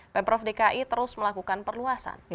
pemprov dki terus melakukan perluasan